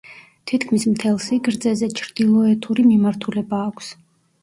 თითქმის მთელ სიგრძეზე ჩრდილოეთური მიმართულება აქვს.